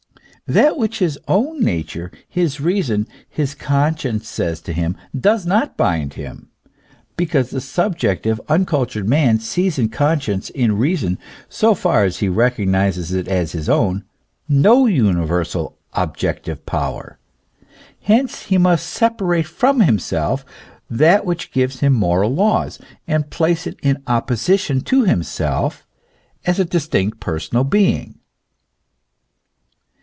That which his own nature, his reason, his conscience says to him, does not bind him, because the subjective, un cultured man sees in conscience, in reason, so far as he recognises it as his own, no universal, objective power; hence he must separate from himself that which gives him moral laws, and place it in opposition to himself, as a distinct personal being.